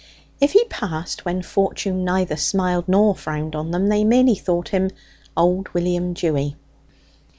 If he passed when fortune neither smiled nor frowned on them, they merely thought him old William Dewy.